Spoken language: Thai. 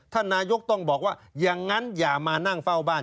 ท่านนายกต้องบอกว่าอย่างนั้นอย่ามานั่งเฝ้าบ้าน